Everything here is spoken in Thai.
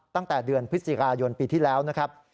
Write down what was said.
ตั้งแต่เดือนพฤศจิกายนปีที่แล้วนะครับ